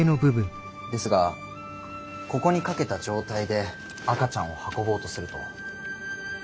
ですがここにかけた状態で赤ちゃんを運ぼうとすると。